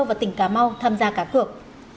và tỉnh cà mau tham gia cả cược